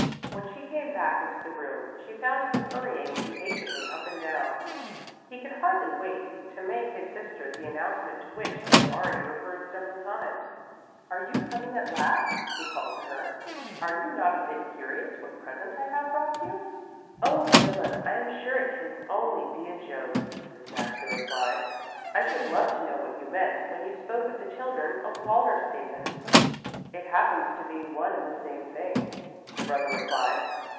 When she came back into the room, she found him hurrying impatiently up and down. He could hardly wait to make his sister the announcement to which he had already referred several times. "Are you coming at last?" he called to her. "Are you not a bit curious what present I have brought you?" "Oh, Philip, I am sure it can only be a joke," Mrs. Maxa replied. "I should love to know what you meant when you spoke of the children of Wallerstätten." "It happens to be one and the same thing," the brother replied.